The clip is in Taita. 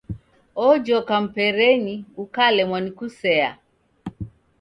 Ojoka mperenyi, ukalemwa ni kusea.